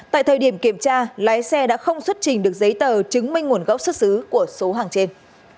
tại thời điểm kiểm tra lái xe đã không xuất trình được giấy tờ chứng minh nguồn gốc xuất xứ của số hàng trên